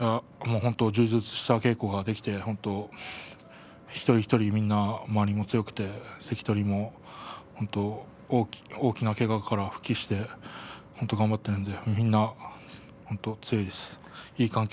充実した稽古ができて本当、一人一人みんな周りも強くて関取も大きなけがから復帰して本当に頑張っているのでみんな、本当、強いです。